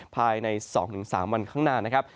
ภายในสองสามวันข้างหน้านะครับ